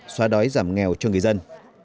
xóa đói giảm nghèo cho người dân